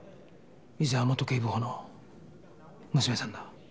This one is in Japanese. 伊沢元警部補の娘さんだ。